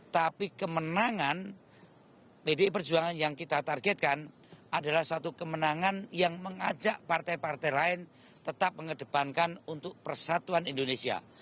tapi kemenangan pdi perjuangan yang kita targetkan adalah satu kemenangan yang mengajak partai partai lain tetap mengedepankan untuk persatuan indonesia